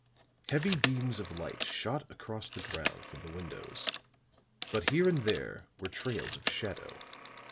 Heavy beams of light shot across the ground from the windows; but here and there were trails of shadow.